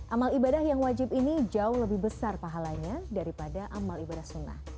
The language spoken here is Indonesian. amal ibadah yang wajib ini jauh lebih besar pahalanya daripada amal ibadah sunnah